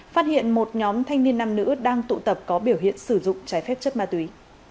phát hiện một nhóm thanh niên nam nữ đang tụ tập có biểu hiện sử dụng trái phép chất ma túy